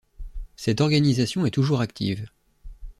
Cette organisation est toujours active.